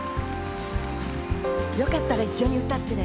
よかったら一緒に歌ってね。